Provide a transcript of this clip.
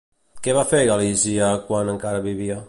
Què va fer Galizia quan encara vivia?